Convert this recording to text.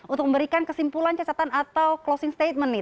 untuk memberikan kesimpulan catatan atau closing statement nih